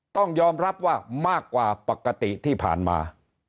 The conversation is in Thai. ต้องยอมรับว่ามากกว่าปกติที่ผ่านมา